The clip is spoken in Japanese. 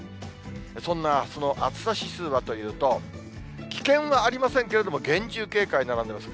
そんなあすの暑さ指数はというと、危険はありませんけれども、厳重警戒並んでます。